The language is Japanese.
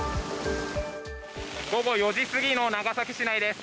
午後４時過ぎの長崎市内です。